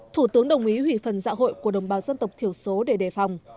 thủ tướng đồng ý hủy phần dạ hội của đồng bào dân tộc thiểu số để đề phòng